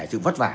sự vất vả